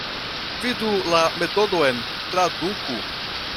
Vidu la metodon traduku.